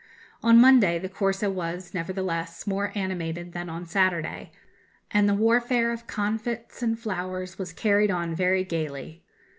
"On Monday the Corso was, nevertheless, more animated than on Saturday, and the warfare of comfits and flowers was carried on very gaily.